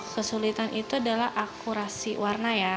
kesulitan itu adalah akurasi warna ya